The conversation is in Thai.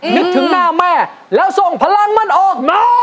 นึกถึงหน้าแม่แล้วส่งพลังมันออกนะ